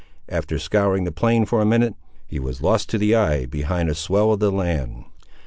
After scouring the plain for a minute, he was lost to the eye behind a swell of the land.